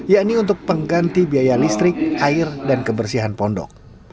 yakni untuk pengganti biaya listrik air dan kebersihan pondok